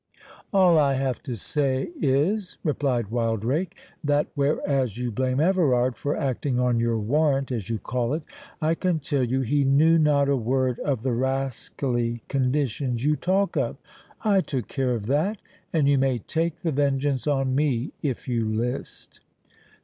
"All I have to say is," replied Wildrake, "that whereas you blame Everard for acting on your warrant, as you call it, I can tell you he knew not a word of the rascally conditions you talk of. I took care of that; and you may take the vengeance on me, if you list."